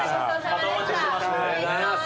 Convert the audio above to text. またお待ちしてます。